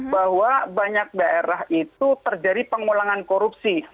bahwa banyak daerah itu terjadi pengulangan korupsi